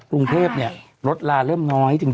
กรุงเทพรถลาเริ่มน้อยจริง